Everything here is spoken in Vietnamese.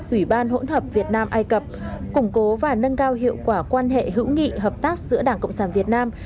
ủy ban hỗn hợp việt nam ai cập củng cố và nâng cao hiệu quả quan hệ hữu nghị hợp tác giữa đảng cộng sản việt nam